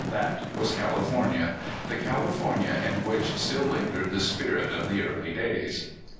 That ^vas California — the California in which still lin gered the spirit of the early days.